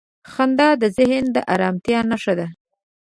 • خندا د ذهن د آرامتیا نښه ده.